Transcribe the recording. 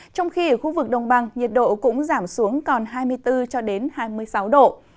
trong khi ở khu vực đông bằng nhiệt độ cũng giảm xuống còn hai mươi bốn hai mươi sáu độ